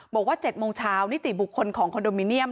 บอกว่า๗โมงเช้านิติบุคคลของคอนโดมิเนียม